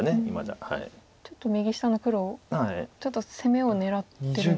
ちょっと右下の黒攻めを狙ってるんですか？